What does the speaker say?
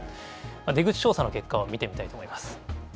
出口調査の結果を見てみたいと思います。